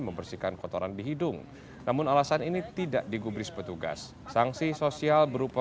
membersihkan kotoran di hidung namun alasan ini tidak digubris petugas sanksi sosial berupa